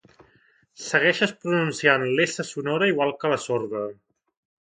Segueixes pronunciant l'essa sonora igual que la sorda